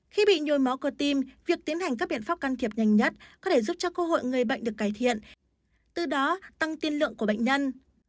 khi bị nhồi máu cơ tim việc tiến hành các biện pháp can thiệp nhanh nhất có thể giúp cho cơ hội người bệnh được cải thiện từ đó tăng tiên lượng của bệnh nhân